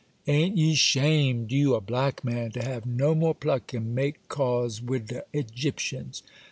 A'n't ye 'shamed—you, a black man—to have no more pluck and make cause wid de Egyptians?